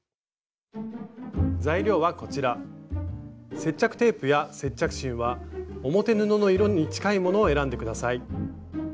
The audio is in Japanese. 接着テープや接着芯は表布の色に近いものを選んで下さい。